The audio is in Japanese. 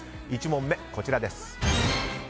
１問目、こちらです。